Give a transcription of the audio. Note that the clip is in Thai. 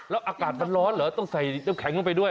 แล้วอากาศมันร้อนเหรอต้องใส่น้ำแข็งลงไปด้วย